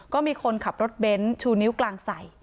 ก็มีคนขับรถเบ้นชูนิ้วกลางใส่